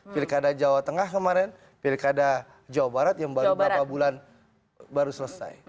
pilkada jawa tengah kemarin pilkada jawa barat yang baru beberapa bulan baru selesai